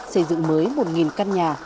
xây dựng mới một căn nhà